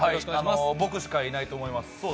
僕しかいないと思います。